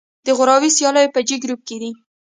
د غوراوي سیالیو په جې ګروپ کې